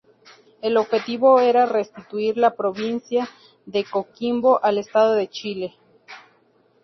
El objetivo era restituir la Provincia de Coquimbo al Estado de Chile.